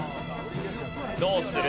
どうする？